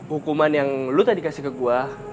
hukuman yang lo tadi kasih ke gue